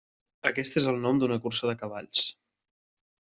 Aquest és el nom d'una cursa de cavalls.